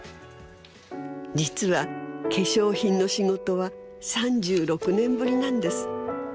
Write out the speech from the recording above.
実は化粧品の仕事は３６年ぶりなんです。